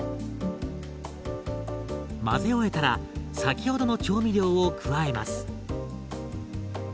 混ぜ終えたら先ほどの調味料を加えます。